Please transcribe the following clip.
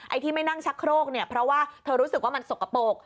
ที่ไม่นั่งชักโครกเนี่ยเพราะว่าเธอรู้สึกว่ามันสกปรก